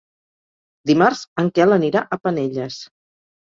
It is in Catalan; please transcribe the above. Dimarts en Quel anirà a Penelles.